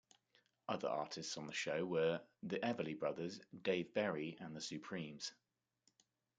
Other artists on the show were The Everly Brothers, Dave Berry and The Supremes.